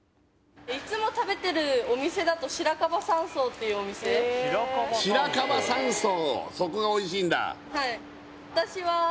いつも食べてるお店だと白樺山荘っていうお店白樺山荘そこがおいしいんだは